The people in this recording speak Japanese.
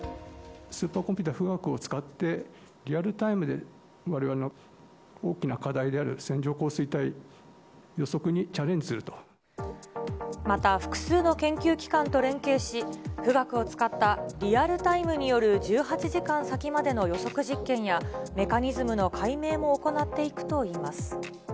スーパーコンピューター、富岳を使って、リアルタイムでわれわれの大きな課題である線状降水帯予測にチャまた複数の研究機関と連携し、富岳を使ったリアルタイムによる１８時間先までの予測実験や、メカニズムの解明も行っていくといいます。